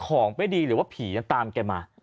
ของไม่ดีหรือว่าผีจะตามแกมา